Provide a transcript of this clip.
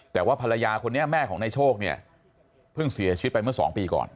แต่ว่าภรรยาคนนี้แม่ของนายโชคเนี่ยเพิ่งเสียชีวิตไปเมื่อ๒ปีก่อน